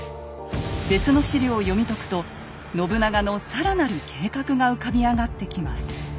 別の史料を読み解くと信長のさらなる計画が浮かび上がってきます。